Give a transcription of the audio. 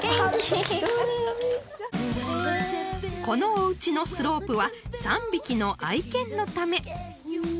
［このおうちのスロープは３匹の愛犬のため］